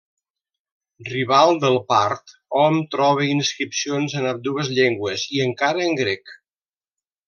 Rival del part, hom troba inscripcions en ambdues llengües i encara en grec.